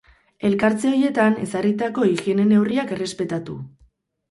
Elkartze horietan ezarritako higiene neurriak errespetatu.